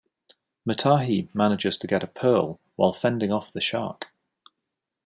Matahi manages to get a pearl while fending off the shark.